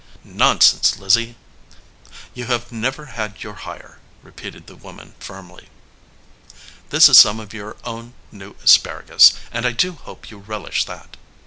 "Nonsense, Lizzie!" "You have never had your hire," repeated the woman, firmly. "This is some of your own new asparagus, and I do hope you relish that."